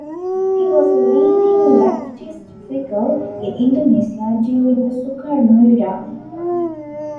He was a leading leftist figure in Indonesia during the Sukarno era.